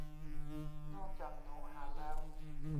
นอกจากหนองหารแล้ว